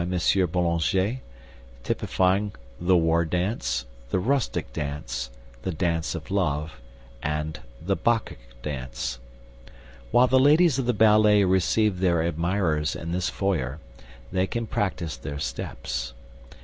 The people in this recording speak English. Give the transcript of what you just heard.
Boulanger, typifying 'The War Dance', 'The Rustic Dance', 'The Dance of Love' and 'The Bacchic Dance.' While the ladies of the ballet receive their admirers in this foyer, they can practise their steps.